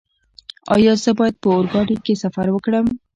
ایا زه باید په اورګاډي کې سفر وکړم؟